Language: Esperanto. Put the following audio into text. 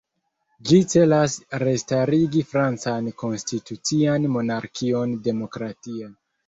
Ĝi celas restarigi francan konstitucian monarkion "demokratia".